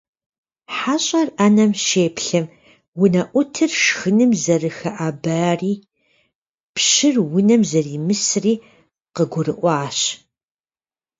ХьэщӀэр Ӏэнэм щеплъым, унэӀутыр шхыным зэрыхэӀэбари пщыр унэм зэримысри къыгурыӀуащ.